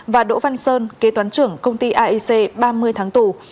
và đỗ văn sơn kế toán trưởng công ty aic ba mươi tháng tù